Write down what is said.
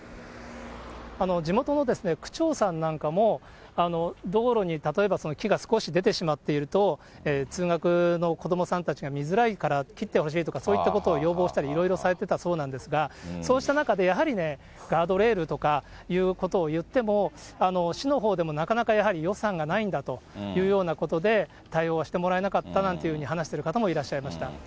地元の区長さんなんかも、道路に例えば木が少し出てしまっていると、通学の子どもさんたちが見づらいから切ってほしいとか、そういったことを要望したり、いろいろされてたそうなんですが、そうした中で、やはりガードレールとかいうことを言っても、市のほうでもなかなかやはり予算がないんだというようなことで、対応はしてもらえなかったというふうに話してる方もいらっしゃいました。